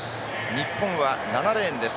日本は７レーンです。